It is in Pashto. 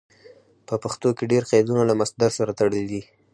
په پښتو کې ډېر قیدونه له مصدر سره تړلي دي.